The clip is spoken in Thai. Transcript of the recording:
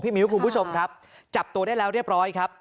มิ้วคุณผู้ชมครับจับตัวได้แล้วเรียบร้อยครับ